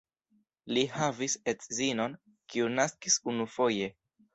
Li havis edzinon, kiu naskis unufoje.